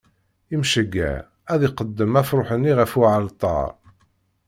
Imceyyeɛ ad iqeddem afṛux-nni ɣef uɛalṭar.